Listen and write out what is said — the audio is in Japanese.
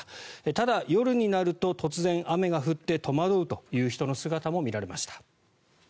ただ、夜になると突然、雨が降って戸惑うという人の姿も見られました。